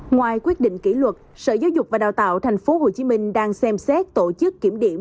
ngoài quyết định kỷ luật sở giáo dục và đào tạo tp hcm đang xem xét tổ chức kiểm điểm